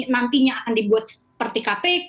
nantinya akan dibuat seperti kpk